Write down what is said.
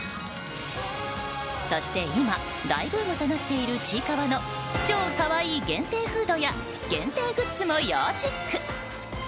そして今、大ブームとなっている「ちいかわ」の超可愛い限定フードや限定グッズも要チェック。